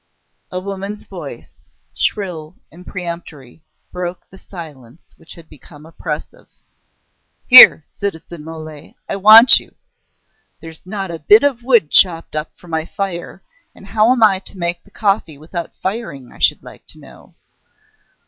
A woman's voice, shrill and peremptory, broke the silence which had become oppressive: "Here, citizen Mole, I want you! There's not a bit of wood chopped up for my fire, and how am I to make the coffee without firing, I should like to know?"